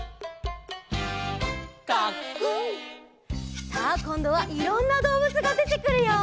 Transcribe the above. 「カックン」さあこんどはいろんなどうぶつがでてくるよ。